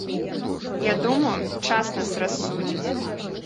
Я думаю, час нас рассудзіць.